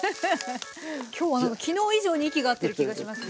今日は何か昨日以上に息が合ってる気がしますね。